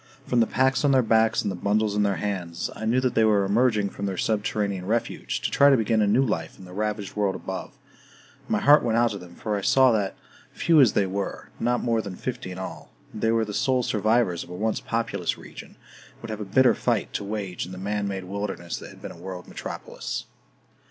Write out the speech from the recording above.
From the packs on their backs and the bundles in their hands, I knew that they were emerging from their subterranean refuge, to try to begin a new life in the ravaged world above; and my heart went out to them, for I saw that, few as they were not more than fifty in all they were the sole survivors of a once populous region, and would have a bitter fight to wage in the man made wilderness that had been a world metropolis.